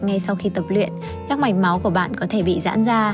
ngay sau khi tập luyện các mảnh máu của bạn có thể bị giãn ra